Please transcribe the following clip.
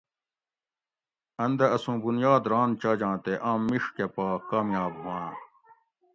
ان دہ اسوں بنیاد ران چاجاں تے آم مِیڛ کۤہ پا کامیاب ہُواۤں